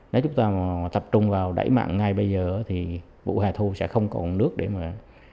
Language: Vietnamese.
nếu chúng ta mà tập trung vào đẩy mặn ngay bây giờ thì vụ hè thu sẽ không còn nước để mà